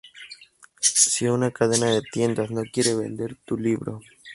Si una cadena de tiendas no quiere vender tu libro